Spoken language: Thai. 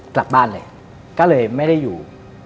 กลับบ้านเลยก็เลยไม่ได้อยู่